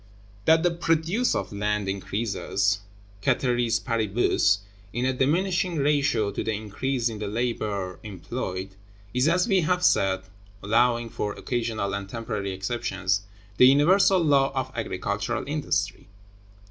That the produce of land increases, cæteris paribus, in a diminishing ratio to the increase in the labor employed, is, as we have said (allowing for occasional and temporary exceptions), the universal law of agricultural industry.